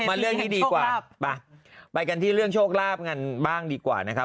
มาเรื่องที่ดีกว่าไปกันที่เรื่องโชคลาภกันบ้างดีกว่านะครับ